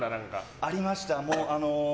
ありました。